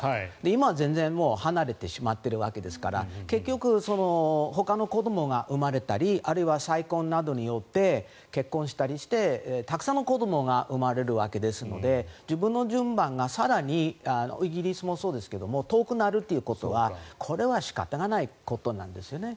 今は全然離れてしまっているわけですから結局、ほかの子どもが生まれたりあるいは再婚などによって結婚したりしてたくさんの子どもが生まれるわけですので自分の順番が更にイギリスもそうですけど遠くなるということは、これは仕方がないことなんですよね。